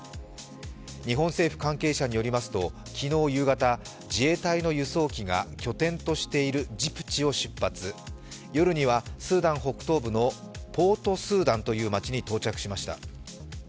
日本政府関係者によりますと昨日夕方、自衛隊の輸送機が拠点としているジブチを出発夜にはスーダン北東部のポートスーダンという町に到着しました。